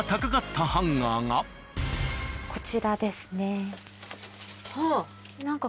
こちらですね。